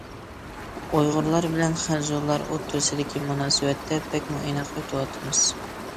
ئۇيغۇرلار بىلەن خەنزۇلار ئوتتۇرىسىدىكى مۇناسىۋەتتە بەكمۇ ئىناق ئۆتۈۋاتىمىز.